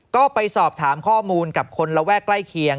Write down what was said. ก็ไปสอบถามข้อมูลกับคนระแวกใกล้เคียง